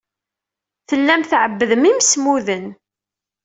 Tellam tɛebbdem imsemmuden.